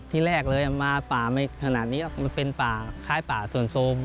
ที่แรกเลยมาป่าไม่ขนาดนี้มันเป็นป่าคล้ายป่าส่วนโทรม